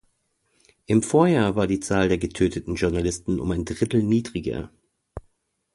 Im Vorjahr war die Zahl der getöteten Journalisten um ein Drittel niedriger.